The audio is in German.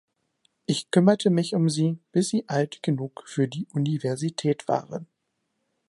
Ich kümmerte mich um sie, bis sie alt genug für die Universität waren.